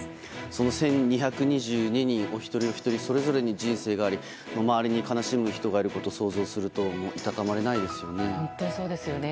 その１２２２人お一人お一人それぞれに人生があり周りに悲しむ人がいることを想像するといたたまれないですよね。